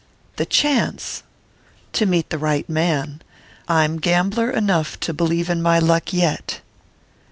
"The chance ?" "To meet the right man. I'm gambler enough to believe in my luck yet!"